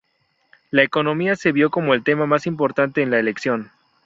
La economía se vio como el tema más importante en la elección.